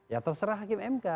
ya terserah hakim mk